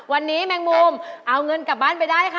วันนี้แมงมุมเอาเงินกลับบ้านไปได้ค่ะ